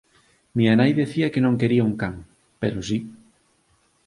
Miña nai dicía que non quería un can, pero si